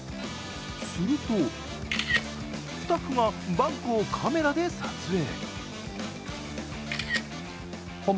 するとスタッフがバッグをカメラで撮影。